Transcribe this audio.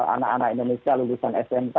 anak anak indonesia lulusan smk